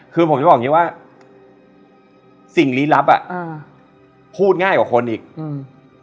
คือผมจะบอกอย่างงี้ว่าสิ่งลี้ลับอ่ะอ่าพูดง่ายกว่าคนอีกอืม